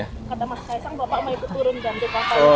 kata mas kaisang bapak mau ikut turun dan jokap